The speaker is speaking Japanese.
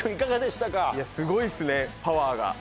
すごいっすねパワーが。